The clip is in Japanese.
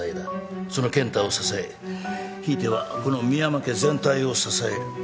その健太を支えひいてはこの深山家全体を支える。